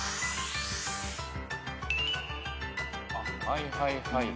はいはい。